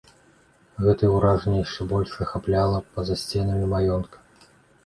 Гэтае ўражанне яшчэ больш ахапляла па-за сценамі маёнтка.